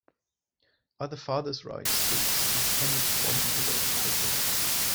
Other fathers' rights groups have tended to form and dissolve quickly.